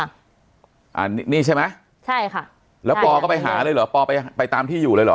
อันนี้ใช่ไหมใช่ค่ะแล้วปอก็ไปหาเลยเหรอปอไปไปตามที่อยู่เลยเหรอ